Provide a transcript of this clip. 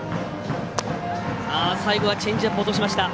最後はチェンジアップ落としました。